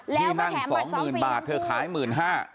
แล้วแถมบัตรซ้อมฟรีทั้งคู่